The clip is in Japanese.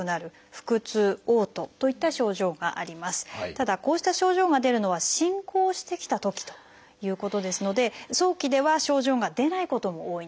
ただこうした症状が出るのは進行してきたときということですので早期では症状が出ないことも多いんです。